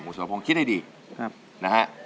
คุณสระพงคิดให้ดีนะคะนะฮะ